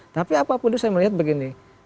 tapi apapun itu saya melihat begini